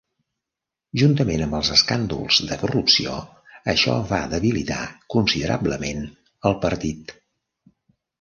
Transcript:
Juntament amb els escàndols de corrupció, això va debilitar considerablement el partit.